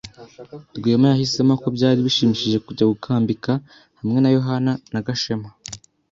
Rwema yahisemo ko byari bishimishije kujya gukambika hamwe na Yohana na Gashema.